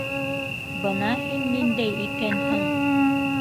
Бына һин ниндәй икәнһең!..